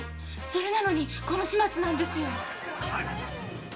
それなのにこの始末なんですよ。